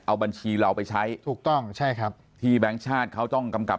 เอาบัญชีเราไปใช้ถูกต้องใช่ครับที่แบงค์ชาติเขาต้องกำกับ